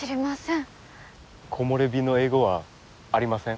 木漏れ日の英語はありません。